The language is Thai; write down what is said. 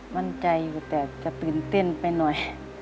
มั่นใจอยู่แต่จะตื่นเต้นไปหน่อย